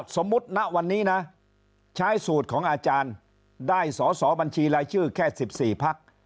สมมุติณวันนี้นะใช้สูตรของอาจารย์ได้สอสอบัญชีรายชื่อแค่๑๔พัก